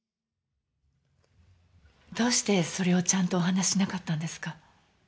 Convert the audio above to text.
どうしてそれをちゃんとお話ししなかったんですか？